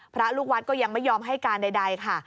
พระลูกวัดก็ยังไม่ยอมให้การใดค่ะ